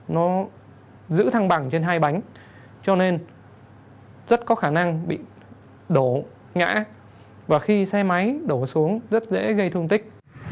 nó giữ thăng bằng trên hai bánh cho nên rất có khả năng bị đổ ngã và khi xe máy đổ xuống rất dễ gây thương tích